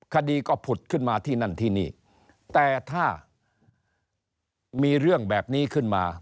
คดีก็ผุดขึ้นมาที่นั่นที่นี่แต่ถ้ามีเรื่องแบบนี้ขึ้นมา